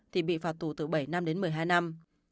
thì bị phạt tù từ bảy năm đến một mươi hai năm